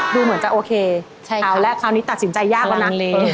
ดูเหมือนจะโอเคคราวแรกคราวนี้ตัดสินใจยากแล้วนะ